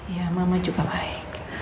ya mama juga baik